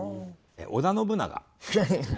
織田信長。